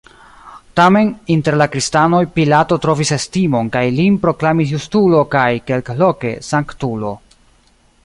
Tamen, inter la kristanoj Pilato trovis estimon kaj lin proklamis justulo kaj, kelkloke, sanktulo.